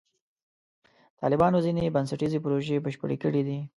طالبانو ځینې بنسټیزې پروژې بشپړې کړې دي.